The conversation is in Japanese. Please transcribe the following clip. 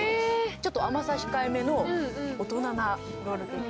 ちょっと甘さ控えめな大人なロールケーキ。